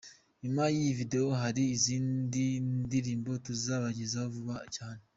Nyuma y’iyi video hari izindi ndiririmbo tuzabagezaho vuba cyane.